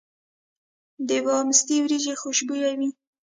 د باسمتي وریجې خوشبويه وي.